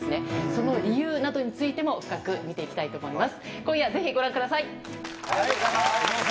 その理由などについても、深く見ていきたいと思います。